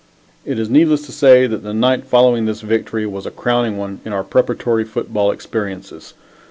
It is needless to say that the night following this victory was a crowning one in our preparatory football experiences.